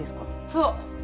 そう。